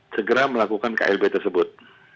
segera melakukan klb tersebut